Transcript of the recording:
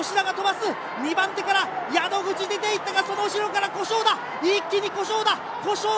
２番手から宿口出て行ったが、その後ろから古性だ、一気に古性だ！